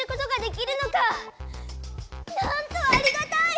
なんとありがたい！